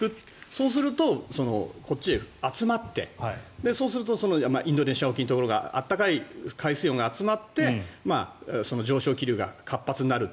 そうするとこっちへ集まってそうするとインドネシア沖のところに温かい海水温が集まってその上昇気流が活発になる。